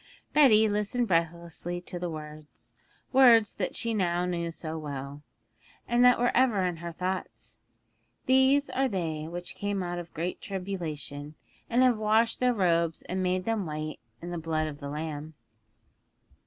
Betty listened breathlessly to the words words that she knew now so well, and that were ever in her thoughts: 'These are they which came out of great tribulation, and have washed their robes and made them white in the blood of the Lamb.'